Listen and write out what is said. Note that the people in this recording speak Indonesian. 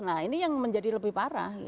nah ini yang menjadi lebih parah